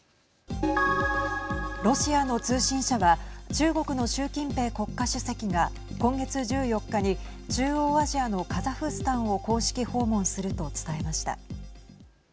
ロシアの通信社は中国の習近平国家主席が今月１４日に中央アジアのカザフスタンを公式訪問すると伝えました。